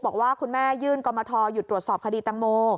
บอกว่าคุณแม่ยื่นกรมทรหยุดตรวจสอบคดีตังโม